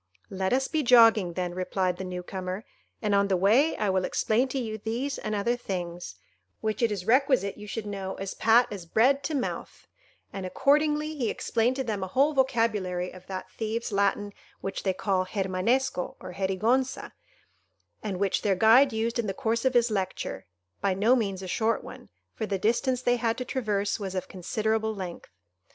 "Let us be jogging, then," replied the new comer, "and on the way I will explain to you these and other things, which it is requisite you should know as pat as bread to mouth;" and, accordingly, he explained to them a whole vocabulary of that thieves' Latin which they call Germanesco, or Gerigonza, and which their guide used in the course of his lecture,—by no means a short one, for the distance they had to traverse was of considerable length.